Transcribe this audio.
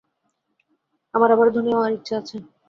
আমার আবারও ধনী হওয়ার ইচ্ছে আছে।